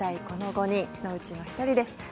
この５人そのうちの１人です。